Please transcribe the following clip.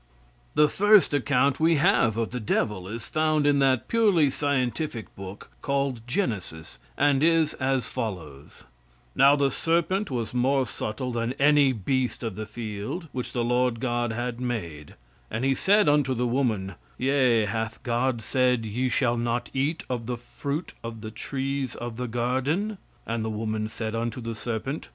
The first account we have of the devil is found in that purely scientific book called Genesis, and is as follows: "Now the serpent was more subtle than any beast of the field which the Lord God had made, and he said unto the woman, Yea, hath God said, ye shall not eat of the fruit of the trees of the garden? And the woman said unto the serpent.